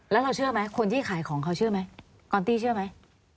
แล้วเราเชื่อไหมคนที่ขายของเขาเชื่อไหมกอนตี้เชื่อไหม